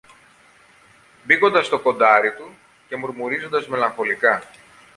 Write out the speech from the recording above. μπήγοντας το κοντάρι του και μουρμουρίζοντας μελαγχολικά